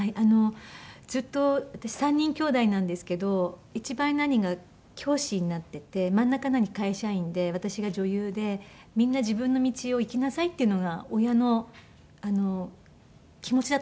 ずっと私３人兄妹なんですけど一番上の兄が教師になってて真ん中の兄会社員で私が女優でみんな自分の道を行きなさいっていうのが親の気持ちだと思ってたんですけども。